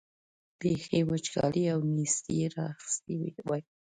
بېخي وچکالۍ او نېستۍ را اخیستي وای.